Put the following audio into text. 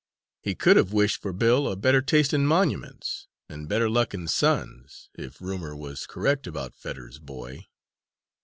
He could have wished for Bill a better taste in monuments, and better luck in sons, if rumour was correct about Fetters's boy.